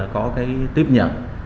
có cái tiếp nhận